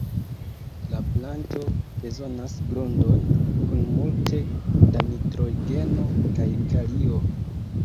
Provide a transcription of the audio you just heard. La planto bezonas grundon kun multe da nitrogeno kaj kalio.